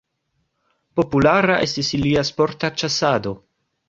Populara estis ilia sporta ĉasado.